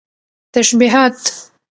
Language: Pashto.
تشبيهات